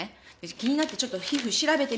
気になってちょっと皮膚調べてみたら